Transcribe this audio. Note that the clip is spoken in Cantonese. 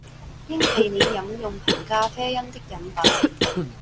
應避免飲用含咖啡因的飲品